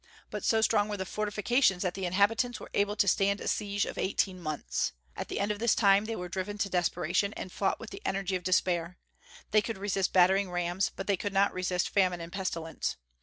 But so strong were the fortifications that the inhabitants were able to stand a siege of eighteen months. At the end of this time they were driven to desperation, and fought with the energy of despair. They could resist battering rams, but they could not resist famine and pestilence.